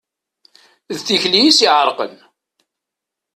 D tikli i s-iɛerqen.